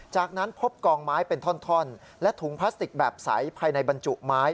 จากนั้นพบกองไม้เป็นท่อนและถุงพลาสติกแบบใสภายในบรรจุไม้